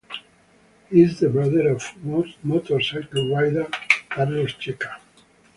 He is the brother of motorcycle rider Carlos Checa.